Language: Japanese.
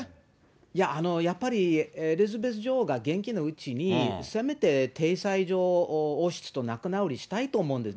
いや、やっぱり、エリザベス女王が元気なうちに、せめて体裁上、王室と仲直りしたいと思うんです。